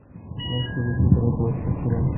তিনি অক্সফোর্ড বিশ্ববিদ্যালয়ের প্রফেসর ছিলেন।